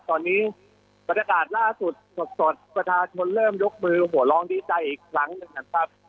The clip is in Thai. ตอนนี้บรรยากาศล่าสุดสดประชาชนเริ่มยกมือหัวร้องดีใจอีกครั้งหนึ่งนะครับ